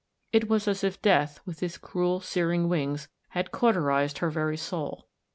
It was as if Death, with his cruel, searing wings had cauterised her very soul.